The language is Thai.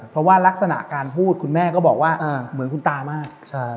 เพราะว่ารักษณะการพูดคุณแม่ก็บอกว่าเหมือนคุณตามาก